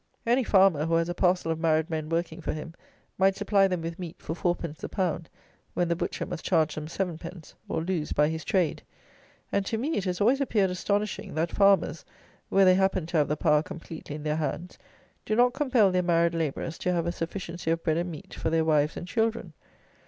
Any farmer who has a parcel of married men working for him, might supply them with meat for four pence the pound, when the butcher must charge them seven pence, or lose by his trade; and to me, it has always appeared astonishing, that farmers (where they happen to have the power completely in their hands) do not compel their married labourers to have a sufficiency of bread and meat for their wives and children.